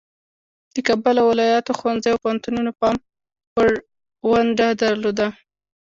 د کابل او ولایاتو ښوونځیو او پوهنتونونو پام وړ ونډه درلوده.